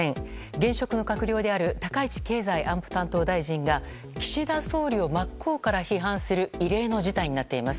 現職の閣僚である高市経済安保担当大臣が岸田総理を真っ向から批判する異例の事態になっています。